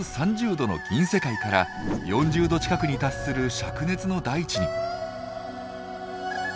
℃の銀世界から４０℃近くに達する灼熱の大地に。